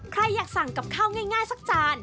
ใครอยากสั่งกับข้าวง่ายสักจาน